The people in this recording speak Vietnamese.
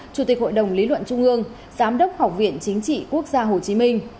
chủ tịch hội đồng lý luận trung ương giám đốc học viện chính trị quốc gia hồ chí minh